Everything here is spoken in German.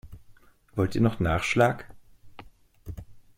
Wollt ihr noch Nachschlag?